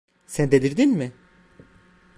Sen delirdin mi?